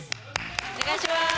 お願いします。